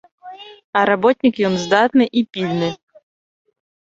А работнік ён здатны і пільны.